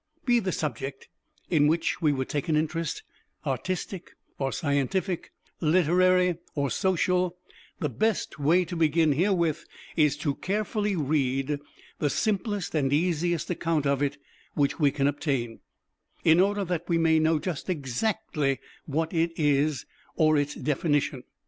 Be the subject in which we would take an interest artistic or scientific, literary or social, the best way to begin herewith is to carefully read the simplest and easiest account of it which we can obtain, in order that we may know just exactly what it is, or its definition.